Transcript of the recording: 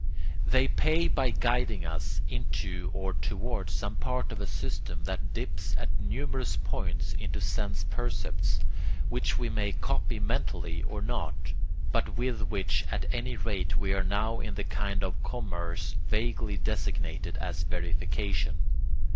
They pay by guiding us into or towards some part of a system that dips at numerous points into sense percepts, which we may copy mentally or not, but with which at any rate we are now in the kind of commerce vaguely designated as verification.